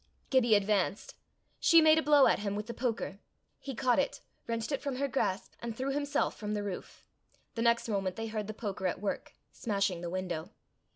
Gibbie advanced. She made a blow at him with the poker. He caught it, wrenched it from her grasp, and threw himself from the roof. The next moment they heard the poker at work, smashing the window.